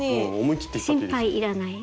心配いらない。